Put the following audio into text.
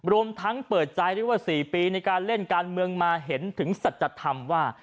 รวมทั้งเปิดใจด้วยว่า๔ปีในการเล่นการเมืองมาเห็นถึงสัจธรรมว่า